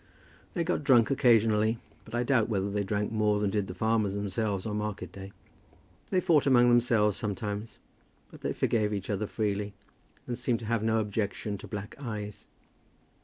They got drunk occasionally, but I doubt whether they drank more than did the farmers themselves on market day. They fought among themselves sometimes, but they forgave each other freely, and seemed to have no objection to black eyes.